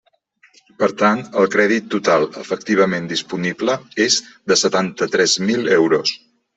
Per tant, el crèdit total efectivament disponible és de setanta-tres mil euros.